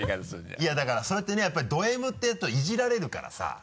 いやだからそうやってねやっぱりドＭっていうとイジられるからさ。